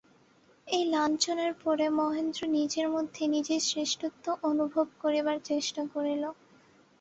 এই লাঞ্ছনার পরে মহেন্দ্র নিজের মধ্যে নিজের শ্রেষ্ঠত্ব অনুভব করিবার চেষ্টা করিল।